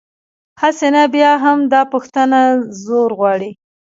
هسې، نه بیا هم، دا پوښتنه زور غواړي.